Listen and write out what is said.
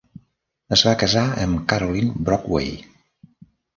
Es va casar amb Caroline Brockway.